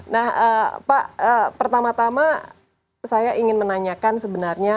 nah pak pertama tama saya ingin menanyakan sebenarnya